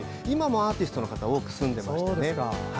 今もアーティストの方多く住んでいますね。